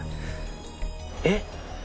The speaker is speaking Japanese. えっ？